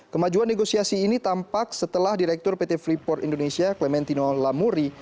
kemajuan negosiasi ini tampak setelah direktur pt freeport indonesia clementino lamuri